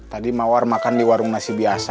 tadi mawar makan di warung nasi biasa